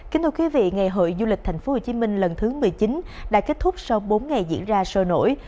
kính thưa quý vị ngày hội du lịch tp hcm lần thứ một mươi chín đã kết thúc sau bốn ngày diễn ra sôi nổi